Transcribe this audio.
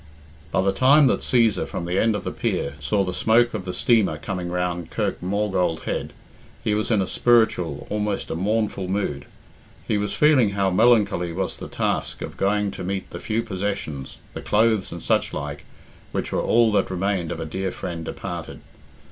By the time that Cæsar, from the end of the pier, saw the smoke of the steamer coming round Kirk Maughold Head, he was in a spiritual, almost a mournful, mood. He was feeling how melancholy was the task of going to meet the few possessions, the clothes and such like, which were all that remained of a dear friend departed.